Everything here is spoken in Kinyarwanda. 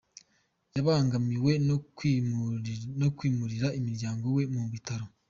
Yabangamiwe no kwimurira umuryango we mu bitaro.